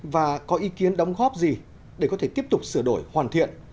và có ý kiến đóng góp gì để có thể tiếp tục sửa đổi hoàn thiện